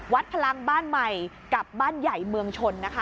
พลังบ้านใหม่กับบ้านใหญ่เมืองชนนะคะ